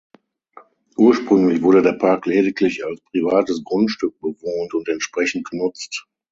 Ursprünglich wurde der Park lediglich als privates Grundstück bewohnt und entsprechend genutzt.